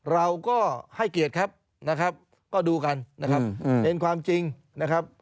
เราก็ให้เกียรติครับนะครับก็ดูกันนะครับเป็นความจริงนะครับ